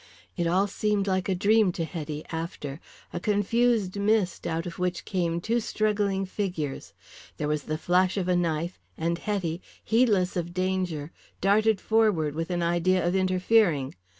It all seemed like a dream to Hetty after, a confused mist out of which came two struggling figures, there was the flash of a knife, and Hetty, heedless of danger, darted forward with an idea of interfering.